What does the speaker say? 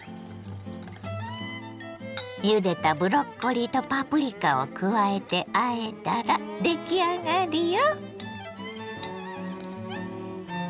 ゆでたブロッコリーとパプリカを加えてあえたら出来上がりよ。